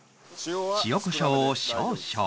塩コショウを少々